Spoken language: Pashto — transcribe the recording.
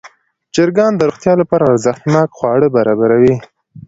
چرګان د روغتیا لپاره ارزښتناک خواړه برابروي.